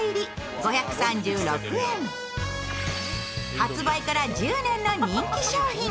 発売から１０年の人気商品。